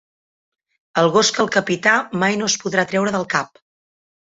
El gos que el capità mai no es podrà treure el cap.